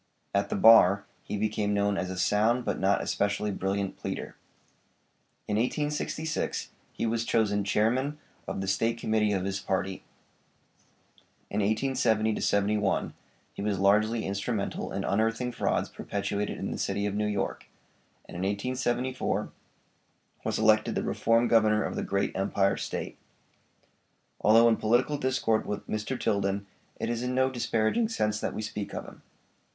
At the bar he became known as a sound, but not especially brilliant pleader. In 1866 he was chosen Chairman of the State Committee of his party. In 1870 1, he was largely instrumental in unearthing frauds perpetrated in the city of New York, and in 1874 was elected the 'reform governor' of the great Empire State. Although in political discord with Mr. Tilden, it is in no disparaging sense that we speak of him.